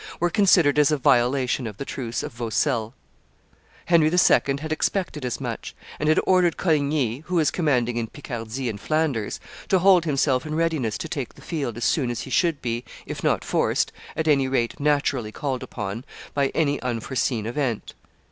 were considered as a violation of the truce of Vaucelles. Henry II. had expected as much, and had ordered Coligny, who was commanding in Picardy and Flanders, to hold himself in readiness to take the field as soon as he should be, if not forced, at any rate naturally called upon, by any unforeseen event.